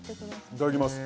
いただきます